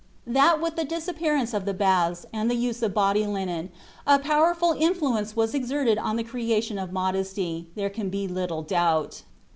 That with the disappearance of the baths, and the use of body linen, a powerful influence was exerted on the creation of modesty, there can be little doubt."